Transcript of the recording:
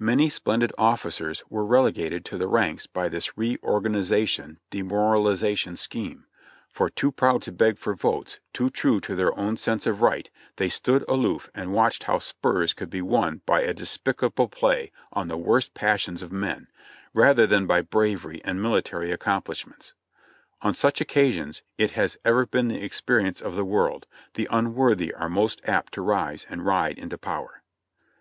Many splen did officers were relegated to the ranks by this reorganization — demoralization — scheme, for, too proud to beg for votes, too true to their own sense of right, they stood aloof and watched how spurs could be won by a despicable play on the worst passions of men, rather than by bravery and military accomplishments. On such occasions, it has ever been the experience of the world, the unworthy are most apt to rise and ride into power.